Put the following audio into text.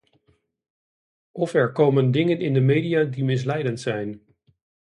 Of er komen dingen in de media die misleidend zijn.